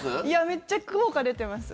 めっちゃ効果出てます。